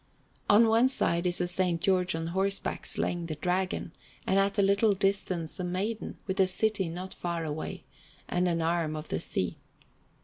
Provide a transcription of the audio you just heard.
On one side is S. George on horseback, slaying the Dragon, and at a little distance the Maiden, with a city not far away, and an arm of the sea.